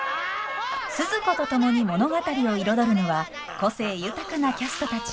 スズ子と共に物語を彩るのは個性豊かなキャストたち。